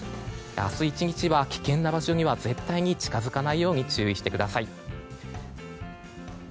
明日１日は危険な場所には絶対に近づかないよう注意してください。